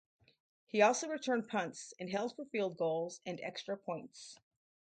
He also returned punts and held for field goals and extra points.